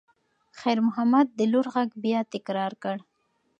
خیر محمد د لور غږ بیا تکرار کړ.